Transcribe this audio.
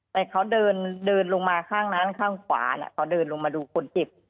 แต่เขาเดินเดินลงมาข้างนั้นข้างขวาเขาเดินลงมาดูคนเจ็บ